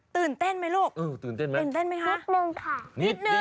ตื่นเต้นมั้ยลูกตื่นเต้นมั้ยตื่นเต้นมั้ยคะนิดนึงค่ะ